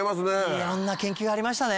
いろんな研究ありましたね。